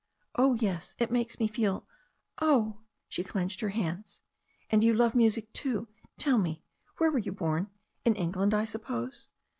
'Oh, yes, it makes me feel — oh !" she clenched her hands. Ah, you love music too. Tell me, where were you born — in England. I suppose?"